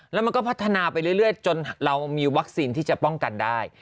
แล้วมันก็พัฒนาไปเรื่อยจนเรามีวัคซีนที่จะป้องกันได้